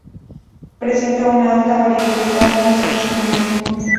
Presenta una alta variabilidad en su nacimiento.